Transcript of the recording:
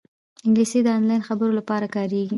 انګلیسي د آنلاین خبرو لپاره کارېږي